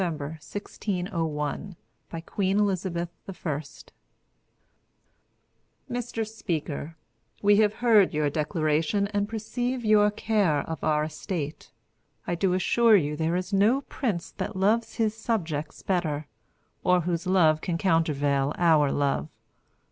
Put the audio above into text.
23892Elizabeth I's Farewell Speech1601Elizabeth I of England Mr Speaker, We have heard your declaration and perceive your care of our estate. I do assure you there is no prince that loves his subjects better, or whose love can countervail our love.